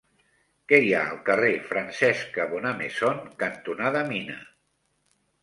Què hi ha al carrer Francesca Bonnemaison cantonada Mina?